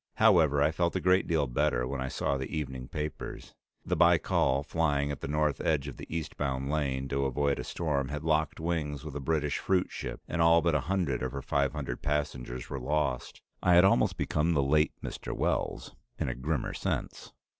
However, I felt a great deal better when I saw the evening papers; the Baikal, flying at the north edge of the eastbound lane to avoid a storm, had locked wings with a British fruitship and all but a hundred of her five hundred passengers were lost. I had almost become "the late Mr. Wells" in a grimmer sense.